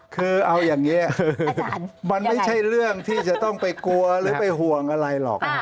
คือเอาอย่างนี้มันไม่ใช่เรื่องที่จะต้องไปกลัวหรือไปห่วงอะไรหรอก